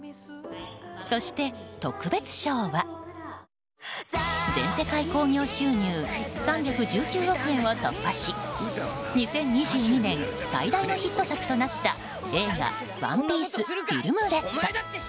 そして、特別賞は全世界興行収入３１９億円を突破し２０２２年最大のヒット作となった映画「ＯＮＥＰＩＥＣＥＦＩＬＭＲＥＤ」。